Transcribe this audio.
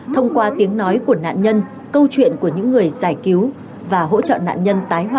thông qua tiếng nói của nạn nhân câu chuyện của những người giải cứu và hỗ trợ nạn nhân tái hoạt